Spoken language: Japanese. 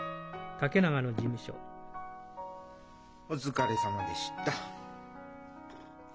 お疲れさまでした。